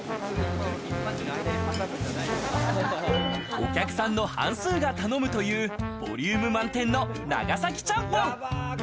お客さんの半数が頼むというボリューム満点の長崎ちゃんぽん。